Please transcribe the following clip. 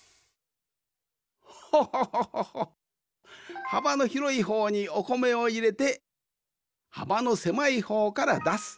ホホホホホッはばのひろいほうにおこめをいれてはばのせまいほうからだす。